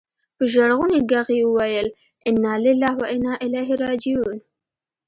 په ژړغوني ږغ يې وويل انا لله و انا اليه راجعون.